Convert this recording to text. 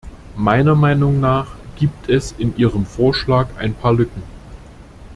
Meiner Meinung nach gibt es in ihrem Vorschlag ein paar Lücken.